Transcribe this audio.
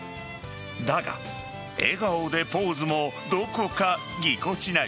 だが、笑顔でポーズもどこかぎこちない。